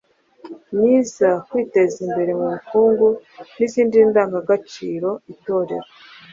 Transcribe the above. myiza, kwiteza imbere mu bukungu n’izindi ndangagaciro. Itorero